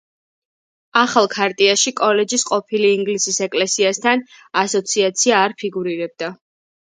ახალ ქარტიაში კოლეჯის ყოფილი ინგლისის ეკლესიასთან ასოციაცია არ ფიგურირებდა.